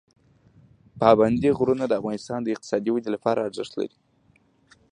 پابندی غرونه د افغانستان د اقتصادي ودې لپاره ارزښت لري.